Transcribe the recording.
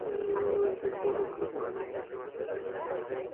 Gift পছন্দ হয়েছে?